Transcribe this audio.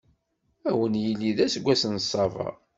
Ad wen-yili d aseggas n Ṣṣaba.